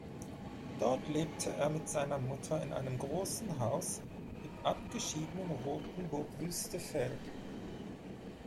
Dort lebte er mit seiner Mutter in einem großen Haus im abgeschiedenen Rotenburg-Wüstefeld.